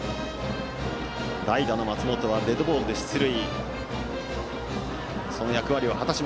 代打の松本はデッドボールで出塁。